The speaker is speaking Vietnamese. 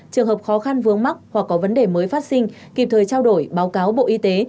trường hợp khó khăn vướng mắc hoặc có vấn đề mới phát sinh kịp thời trao đổi báo cáo bộ y tế